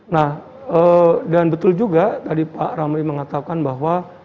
nah dan betul juga tadi pak ramli mengatakan bahwa